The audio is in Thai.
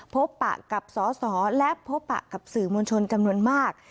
ปะกับสอสอและพบปะกับสื่อมวลชนจำนวนมาก